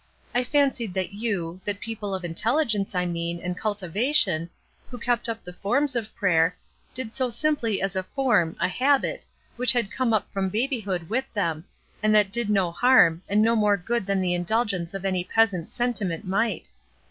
I fancied that you — that people of intelligence, I mean, and cultivation, who kept up the forms of prayer, did so simply as a form, a habit, which had come up from baby hood with them, and that did no harm, and no more good than the indulgence of any pleasant sentiment might.